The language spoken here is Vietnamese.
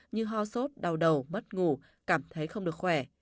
như ho sốt đau đầu mất ngủ cảm thấy không được khỏe